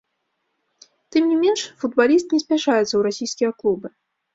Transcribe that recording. Тым не менш футбаліст не спяшаецца ў расійскія клубы.